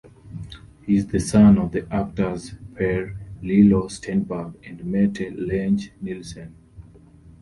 He is the son of the actors Per Lillo-Stenberg and Mette Lange-Nilsen.